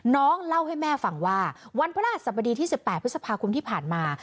น้องเล่าให้แม่ฟังว่าวันพระอาจศัพท์ดี๑๘พฤษภาคมที่ผ่านมา